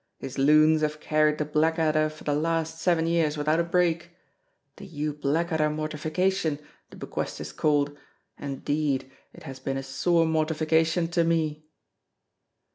His loons have carried the Blackadder for the last seven years without a break. The Hugh Blackadder Mortification, the bequest is called, and, 'deed, it has been a sore mortification to me!"